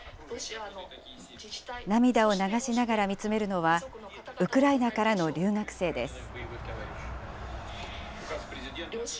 涙を流しながら見つめるのは、ウクライナからの留学生です。